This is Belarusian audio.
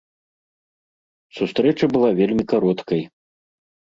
Сустрэча была вельмі кароткай.